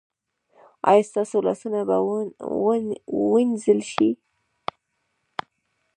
ایا ستاسو لاسونه به وینځل شي؟